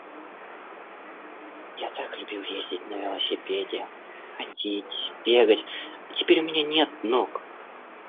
Я так любил ездить на велосипеде, ходить, бегать, а теперь у меня нет ног.